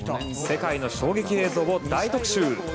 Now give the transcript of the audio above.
世界の衝撃映像を大特集。